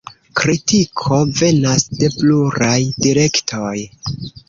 Kritiko venas de pluraj direktoj.